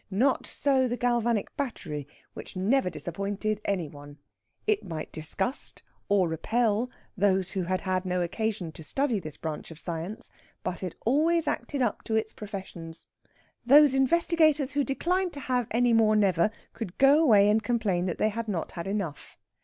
Not so the galvanic battery, which never disappointed any one. It might disgust, or repel, those who had had no occasion to study this branch of science, but it always acted up to its professions. Those investigators who declined to have any more never could go away and complain that they had not had enough.